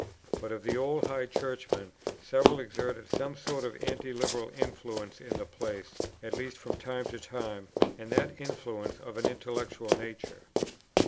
But of the old High Churchmen several exerted some sort of Anti liberal influence in the place, at least from time to time, and that influence of an intellectual nature.